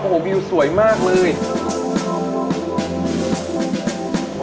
โอ้โหวิวสวยมากเลย